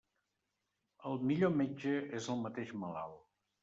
El millor metge és el mateix malalt.